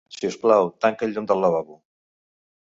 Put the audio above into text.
Si us plau, tanca el llum del lavabo.